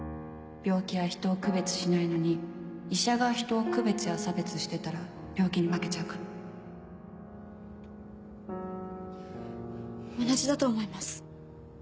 病気は人を区別しないのに医者が人を区別や差別してたら病気に負けちゃうから同じだと思います。